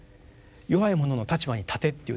弱い者の立場に立てっていうですね。